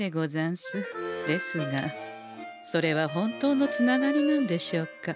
ですがそれは本当のつながりなんでしょうか？